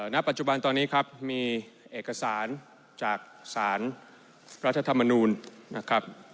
ณปัจจุบันตอนนี้ครับมีเอกสารจากสารรัฐธรรมนูลนะครับ